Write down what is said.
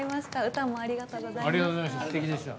歌もありがとうございました。